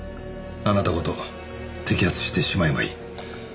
あなたごと摘発してしまえばいい。